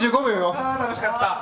あ楽しかった。